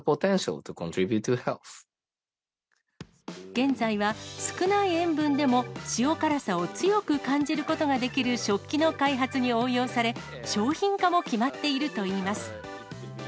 現在は少ない塩分でも塩辛さを強く感じることができる食器の開発に応用され、商品化も決まっているといいます。